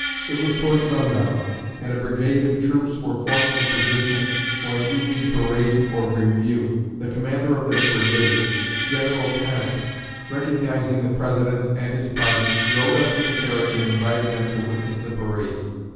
It was toward sundown; and a brigade of troops were forming in position for an evening parade or review. The commander of the brigade, General Tannatt, recognizing the President and his party, rode up to the carriage and invited them to witness the parade.